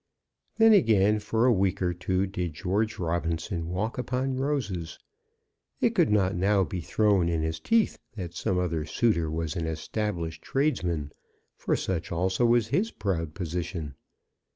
Then, again, for a week or two did George Robinson walk upon roses. It could not now be thrown in his teeth that some other suitor was an established tradesman; for such also was his proud position.